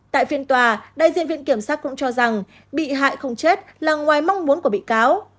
tại phiên tòa đại diện viện kiểm sát cũng cho rằng bị hại không chết là ngoài mong muốn của bị cáo